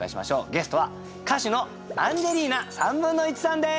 ゲストは歌手のアンジェリーナ１／３さんです！